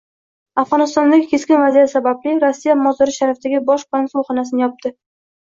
Afg‘onistondagi keskin vaziyat sababli Rossiya Mozori Sharifdagi bosh konsulxonasini yopdi